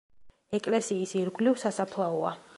ეკლესიის ირგვლივ სასაფლაოა.